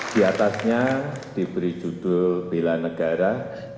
di atasnya diberi judul bela negara